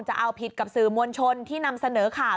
จะเอาผิดกับสื่อมวลชนที่นำเสนอข่าว